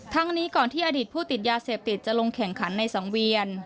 นี้ก่อนที่อดีตผู้ติดยาเสพติดจะลงแข่งขันในสังเวียน